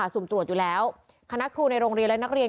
สุ่มตรวจอยู่แล้วคณะครูในโรงเรียนและนักเรียน